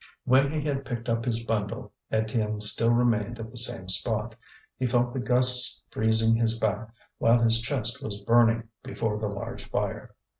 When he had picked up his bundle, Étienne still remained at the same spot. He felt the gusts freezing his back, while his chest was burning before the large fire.